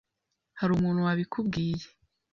Hari umuntu wabikubwiye?